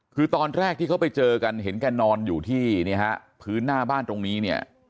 คือตอนแรกที่เขาไปเจอกันเห็นแกนอนอยู่ที่เนี่ยฮะพื้นหน้าบ้านตรงนี้เนี่ย